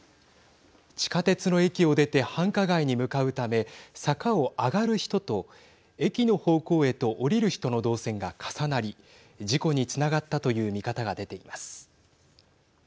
地下鉄の駅を出て繁華街に向かうため坂を上がる人と駅の方向へと下りる人の動線が重なり事故につながったという見方が出ています。